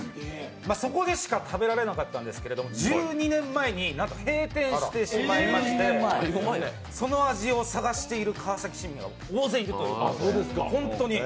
そこでしか食べられなかったんですけど、１２年前になんと閉店してしまいまして、その味を探している川崎市民は大勢いるということで、本当に。